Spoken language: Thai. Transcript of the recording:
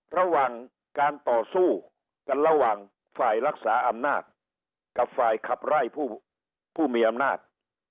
ระหว่างการต่อสู้กันระหว่างฝ่ายรักษาอำนาจกับฝ่ายขับไล่ผู้มีอำนาจ